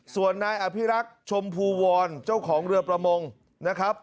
ส่วนนายอภิรักษ์ชมภูวรเจ้าของเรือประมงนะครับ